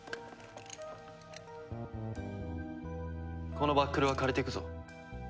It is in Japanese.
このバックルは借りていくぞ。